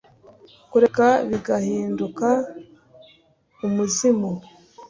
kureka bigahinduka umuzimu